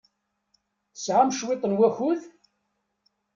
Tesɛam cwiṭ n wakud?